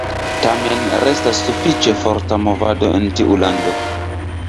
Tamen restas sufiĉe forta movado en tiu lando.